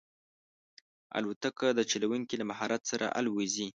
الوتکه د چلونکي له مهارت سره الوزي.